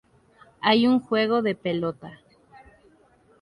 Hay un juego de pelota.